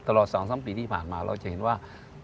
ตลอด๒๓ปีที่ผ่านมาเราจะเห็นว่า